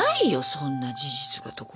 そんな事実がどこにも。